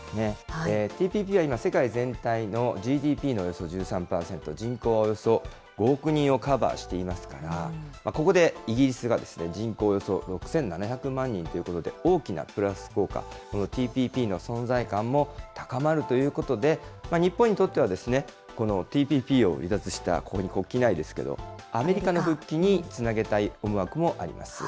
ＴＰＰは今世界全体のＧＤＰのおよそ１３％、人口はおよそ５億人をカバーしていますから、ここでイギリスが人口およそ６７００万人ということで、大きなプラス効果、このＴＰＰの存在感も高まるということで、日本にとっては、このＴＰＰを離脱した、ここに国旗ないですけど、アメリカの復帰につなげたい思惑もあります。